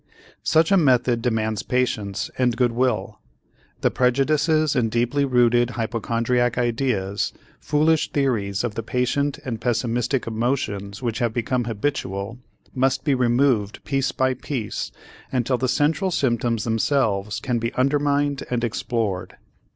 Such a method demands patience and good will. The prejudices and deeply rooted hypochondriac ideas, foolish theories of the patient and pessimistic emotions which have become habitual, must be removed piece by piece until the central symptoms themselves can be undermined and explored.